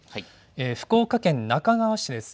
福岡県那珂川市です。